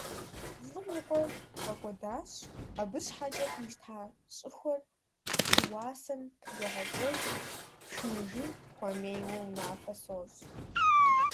Лӏым и къуэр фӀэкӀуэдащ, абы щхьэкӀэ къищта щӀыхуэр лъыуасэм пызогъакӀуэжри, пшыныжын хуемейуэ унафэ сощӏ!